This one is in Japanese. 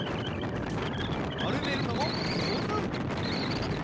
まるめるのもじょうず！